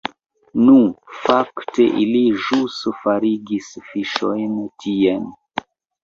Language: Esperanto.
Nu, fakte ili ĵus faligis fiŝojn tien